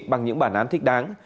bằng những bản án thích đáng